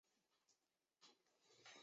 假韧黄芩为唇形科黄芩属下的一个种。